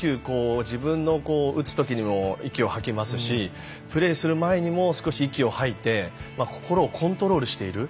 自分の打つときにも息を吐きますしプレーする前にも少し息を吐いて心をコントロールしている。